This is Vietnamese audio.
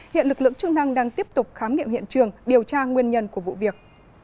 hiện lực lượng chức năng đang tiếp tục khám nghiệm hiện trường điều tra nguyên nhân của vụ việc